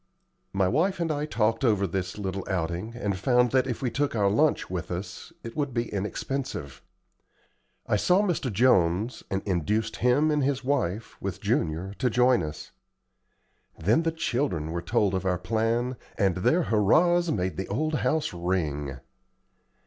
My wife and I talked over this little outing, and found that if we took our lunch with us, it would be inexpensive. I saw Mr. Jones, and induced him and his wife, with Junior, to join us. Then the children were told of our plan, and their hurrahs made the old house ring.